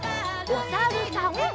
おさるさん。